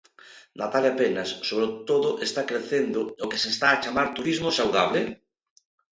Natalia Penas sobre todo está crecendo o que se está a chamar turismo saudable?